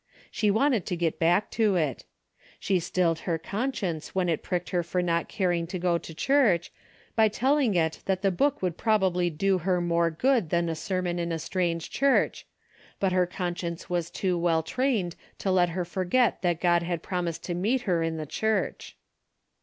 She wanted to get back to it. She 266 A DAILY BATE:'^ stilled her conscience when it pricked her for not caring to go to church, by telling it that the book would probably do her more good than a sermon in a strange church, but her conscience was too well trained to let her for get that God had promised to meet her in the church.